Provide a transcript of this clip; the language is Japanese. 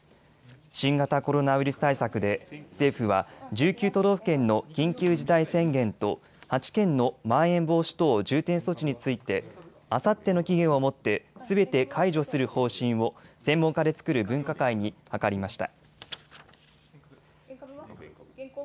新型コロナウイルス対策で政府は１９都道府県の緊急事態宣言と８県のまん延防止等重点措置についてあさっての期限をもってすべて解除する方針を専門家で作る分科会に諮りました。